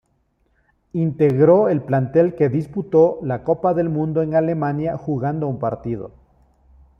Integró el plantel que disputó la Copa del Mundo en Alemania, jugando un partido.